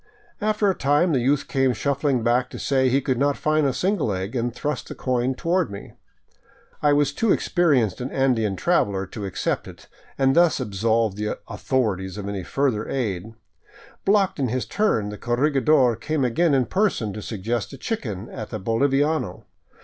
After a time the youth came shuffling back to say he could not find a single tgg ; and thrust the coin toward me. I was too experienced an Andean traveler to accept it and thus absolve the " authorities " of any further aid. Blocked in his turn, the corregidor came again in person to suggest a chicken at a boliviano.